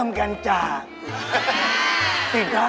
เริ่มกันจาก